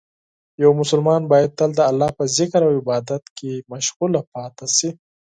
یو مسلمان باید تل د الله په ذکر او عبادت کې مشغول پاتې شي.